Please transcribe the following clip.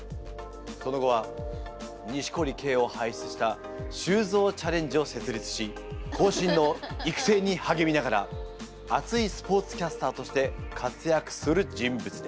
その後は錦織圭をはいしゅつした修造チャレンジを設立し後進の育成にはげみながら熱いスポーツキャスターとして活躍する人物です。